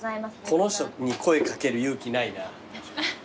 この人に声掛ける勇気ないな。